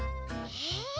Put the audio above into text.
え。